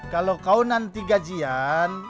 kalau kau nanti gajian